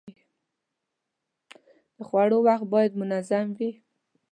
د خوړو وخت باید منظم وي.